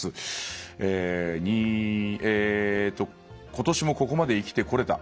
「今年もここまで生きてこれた。